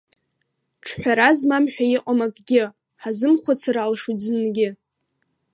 Ҿҳәара змам ҳәа иҟам акгьы, ҳазымхәыцыр алшоит зынгьы.